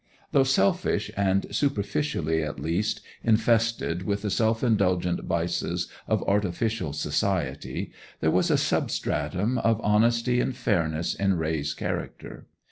Though selfish, and, superficially at least, infested with the self indulgent vices of artificial society, there was a substratum of honesty and fairness in Raye's character.